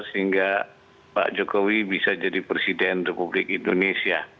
sehingga pak jokowi bisa jadi presiden republik indonesia